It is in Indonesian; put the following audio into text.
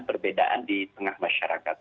perbedaan di tengah masyarakat